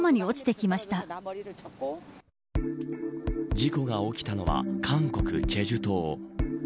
事故が起きたのは韓国済州島。